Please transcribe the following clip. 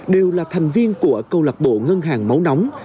đều là thành viên của câu lạc bộ ngân hàng máu nóng